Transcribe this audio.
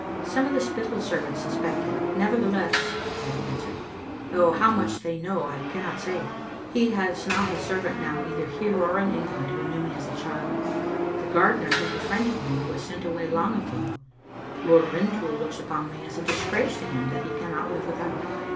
"Some of the Spittal servants suspect it, neverthe less," Babbie answered, "though how much they know I cannot say He has not a servant now, either here or Digitized by VjOOQ IC Stons ot tbe Sdispttam d49 in England, who knew me as a child. The gardener who befriended me was sent away long ago. Liord Rintoul looks upon me as a disgrace to him that he cannot live without."